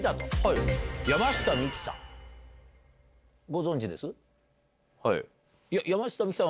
ご存じです？